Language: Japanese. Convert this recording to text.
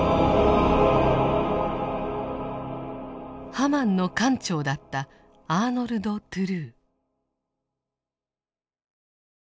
「ハマン」の艦長だったアーノルド・トゥルー。